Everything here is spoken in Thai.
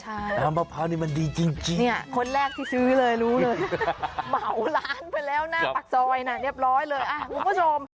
เหมาล้านไปแล้วนะปักซอยนะเรียบร้อยเลยคุณผู้ชม